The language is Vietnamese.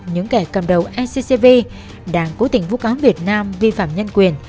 những kẻ cầm đầu sccv đang cố tình vũ cáo việt nam vi phạm nhân quyền